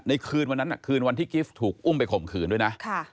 คืนวันนั้นคืนวันที่กิฟต์ถูกอุ้มไปข่มขืนด้วยนะ